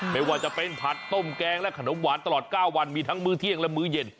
ไม่ว่าจะเป็นผัดต้มแกงและขนมหวานตลอด๙วันมีทั้งมื้อเที่ยงและมื้อเย็น